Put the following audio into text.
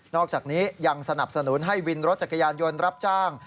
อกจากนี้ยังสนับสนุนให้วินรถจักรยานยนต์รับจ้าง